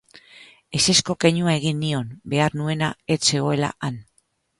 Ezezko keinua egin nion, behar nuena ez zegoela han.